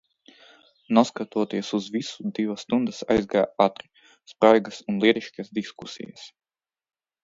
Neskatoties uz visu, divas stundas aizgāja ātri, spraigās un lietišķās diskusijās.